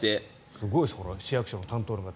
すごいでしょ市役所の担当者の方。